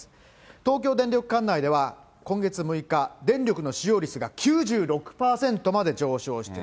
東京電力管内では、今月６日、電力の使用率が９６％まで上昇します。